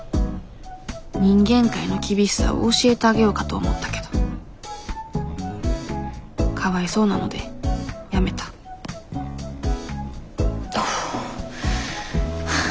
人間界の厳しさを教えてあげようかと思ったけどかわいそうなのでやめたふぅ。